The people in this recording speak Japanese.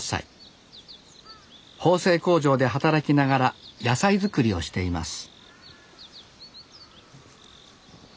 縫製工場で働きながら野菜作りをしています